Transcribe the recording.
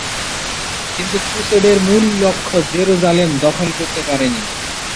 কিন্তু ক্রুসেডের মূল লক্ষ্য জেরুসালেম দখল করতে পারেনি।